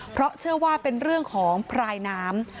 เพราะเชื่อว่าเป็นเรื่องของพรายน้ำ